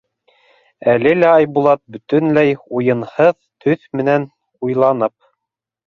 Әле лә Айбулат бөтөнләй уйынһыҙ төҫ менән уйланып: